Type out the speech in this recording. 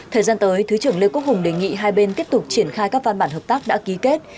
thời gian tới thứ trưởng lê quốc hùng đề nghị hai bên tiếp tục triển khai các văn bản hợp tác đã ký kết